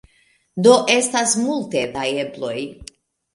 Do estas multe da ebloj.